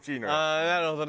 ああなるほどね。